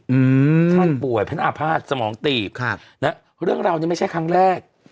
ท่านป่วยพระนาพาทสมองตีบเรื่องเรานี่ไม่ใช่ครั้งแรก